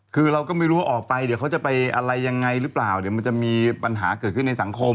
คือเราก็ไม่รู้ว่าออกไปเดี๋ยวเขาจะไปอะไรยังไงหรือเปล่าเดี๋ยวมันจะมีปัญหาเกิดขึ้นในสังคม